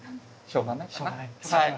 しょうがない。